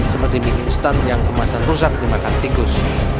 seperti mikin istan yang kemasan rusak dimakan tikus